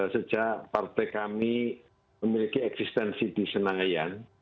sejak partai kami memiliki eksistensi di senayan